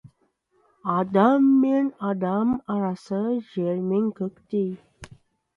Адам мен адам арасы жер мен көктей.